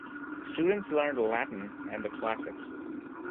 Students studied Latin and the classics.